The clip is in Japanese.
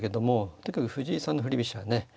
とにかく藤井さんの振り飛車ね